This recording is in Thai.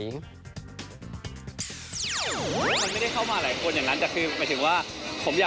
จุดสินว่าไม่ได้เข้ามาหลายคนอย่างนั้นแต่คือหมายถึงความต้องได้ว่า